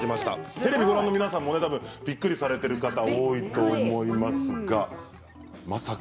テレビをご覧の皆さんもびっくりされている方も多いと思いますが、まさか。